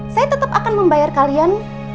saya tetap akan membayar kalian